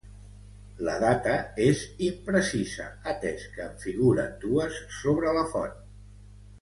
La data és imprecisa atès que en figuren dues sobre la font.